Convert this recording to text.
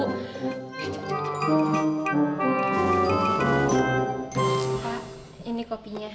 pak ini kopinya